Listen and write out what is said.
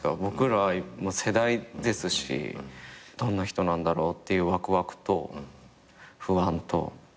僕ら世代ですしどんな人なんだろうっていうわくわくと不安と。